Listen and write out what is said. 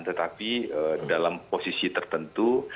tetapi dalam posisi tertentu